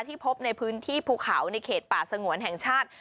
พบในพื้นที่ภูเขาในเขตป่าสงวนแห่งชาติ